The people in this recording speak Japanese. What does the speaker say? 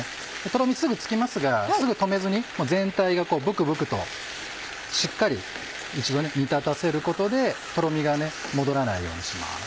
とろみすぐつきますがすぐ止めずに全体がブクブクとしっかり一度煮立たせることでとろみが戻らないようにします。